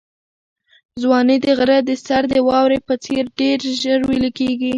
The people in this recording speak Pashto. ځواني د غره د سر د واورې په څېر ډېر ژر ویلې کېږي.